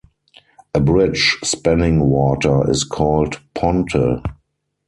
A bridge spanning water is called "ponte".